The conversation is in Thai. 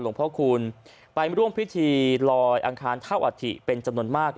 หลวงพ่อคูณไปร่วมพิธีลอยอังคารเท่าอัฐิเป็นจำนวนมาก